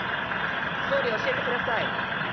総理、教えてください。